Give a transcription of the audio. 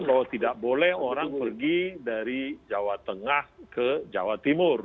bahwa tidak boleh orang pergi dari jawa tengah ke jawa timur